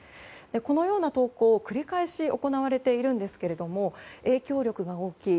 このような投稿が繰り返し行われているんですが影響力が大きい。